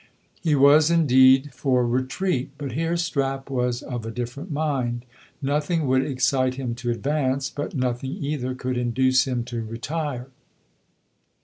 He was indeed for retreat; but here Strap was of a different mind. Nothing would excite him to advance, but nothing either could induce him to retire.